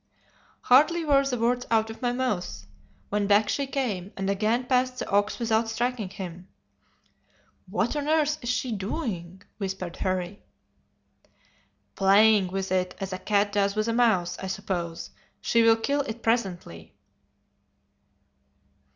"Hardly were the words out of my mouth when back she came, and again passed the ox without striking him. "'What on earth is she doing?' whispered Harry. "'Playing with it as a cat does with a mouse, I suppose. She will kill it presently.